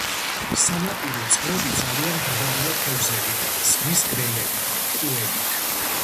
სანაპირო წყლები ძალიან მდიდარია თევზებით, ზღვის გველებით, კუებით.